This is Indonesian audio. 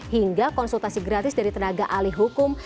hingga konsultasi gratis dari tenaga ahli hukum